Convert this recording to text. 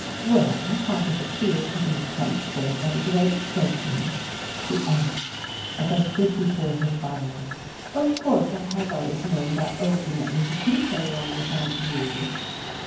"Well, how does it feel to be sent for by the great sultan?" she asked, as I stood before her fire. "Of course, I have always known that ultimately he couldn't get along without you."